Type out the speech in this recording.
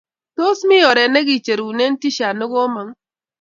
tos mi oret nekecherune T-shirt nekomong